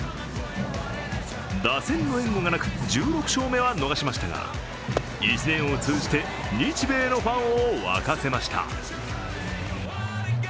打線の援護がなく１６勝目は逃しましたが１年を通じて日米のファンを沸かせました。